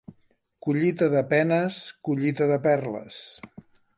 Collita de penes, collita de perles.